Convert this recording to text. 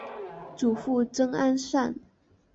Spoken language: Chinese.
祖父曹安善。